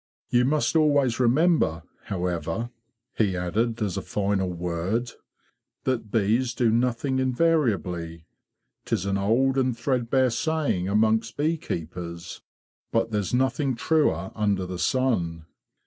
'""You must always remember, however,'' he added, as a final word, "that bees do nothing 58 THE BEE MASTER OF WARRILOW invariably. 'Tis an old and threadbare saying amongst bee keepers, but there's nothing truer under the sun.